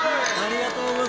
ありがとう。